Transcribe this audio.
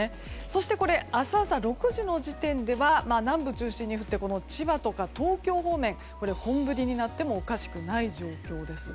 そして、明日朝６時の時点では南部中心に降って千葉とか東京方面本降りになってもおかしくない状況です。